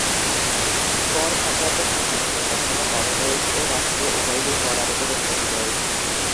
কর সংক্রান্ত সাংবিধানিক কাঠামো কমনওয়েলথ ও রাষ্ট্র উভয়কেই কর আরোপের অনুমতি দেয়।